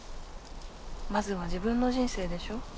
まずは自分の人生でしょ？